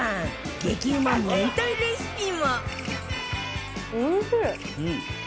激うま明太レシピも